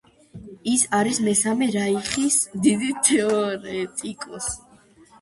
ის არის მესამე რაიხის დიდი თეორეტიკოსი.